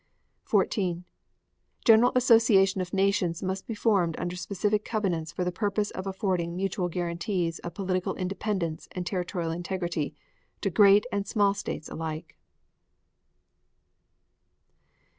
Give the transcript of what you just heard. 14. General association of nations must be formed under specific covenants for the purpose of affording mutual guarantees of political independence and territorial integrity to great and small states alike.